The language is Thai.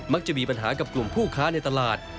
จะมีปัญหากับกลุ่มผู้ค้าในตลาด